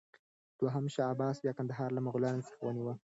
دوهم شاه عباس بیا کندهار له مغلانو څخه ونیوه.